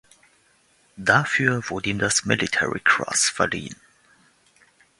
Dafür wurde ihm das Military Cross verliehen.